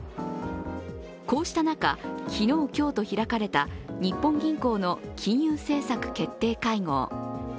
こうした中、昨日、今日と開かれた日本銀行の金融政策決定会合。